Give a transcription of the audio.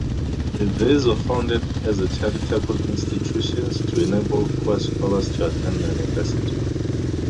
These were founded as charitable institutions to enable poor scholars to attend the University.